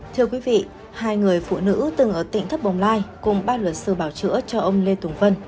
thưa quý vị hai người phụ nữ từng ở tỉnh thất bồng lai cùng ba luật sư bảo chữa cho ông lê tùng vân